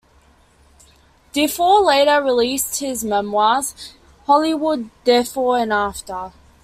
DeFore later released his memoirs, "Hollywood DeFore and After".